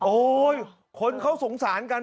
โอ้ยคนเขาสงสารกัน